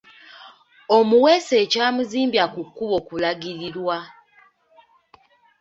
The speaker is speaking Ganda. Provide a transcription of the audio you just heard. Omuweesi ekyamuzimbya ku kkubo kulagirirwa